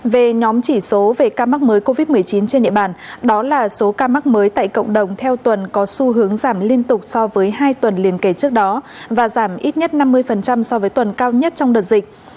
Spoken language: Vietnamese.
về nhóm chỉ số về ca mắc mới covid một mươi chín trên địa bàn đó là số ca mắc mới tại cộng đồng theo tuần có xu hướng giảm liên tục so với hai tuần liên kể trước đó và giảm ít nhất năm mươi so với tuần cao nhất trong đợt dịch